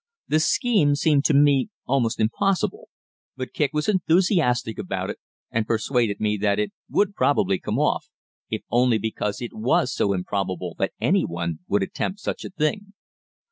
The scheme seemed to me almost impossible but Kicq was enthusiastic about it, and persuaded me that it would probably come off, if only because it was so improbable that any one would attempt such a thing.